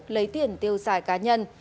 lấy tiền tiêu xài cá nhân